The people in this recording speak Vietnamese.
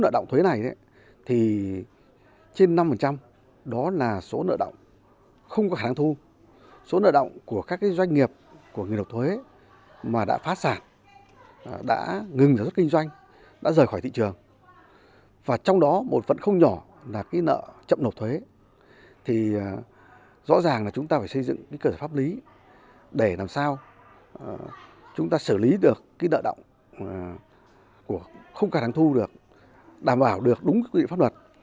để làm sao chúng ta xử lý được cái nợ động của không khả năng thu được đảm bảo được đúng quy định pháp luật